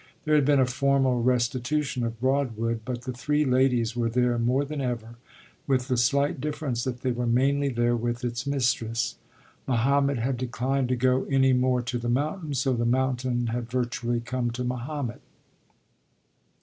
There had been a formal restitution of Broadwood, but the three ladies were there more than ever, with the slight difference that they were mainly there with its mistress. Mahomet had declined to go any more to the mountain, so the mountain had virtually come to Mahomet.